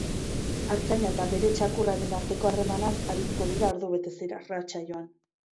Artzaina eta bere txakurraren arteko harremanaz arituko dira ordubetez irratsaioan.